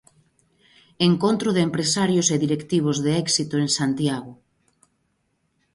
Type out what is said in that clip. Encontro de empresarios e directivos de éxito en Santiago.